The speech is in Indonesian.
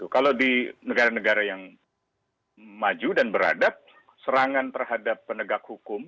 kalau di negara negara yang maju dan beradab serangan terhadap penegak hukum